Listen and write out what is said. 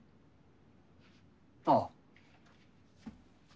ああ。